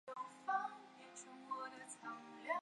只有一般列车停靠。